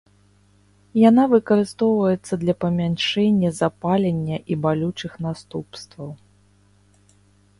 Яна выкарыстоўваецца для памяншэння запалення і балючых наступстваў.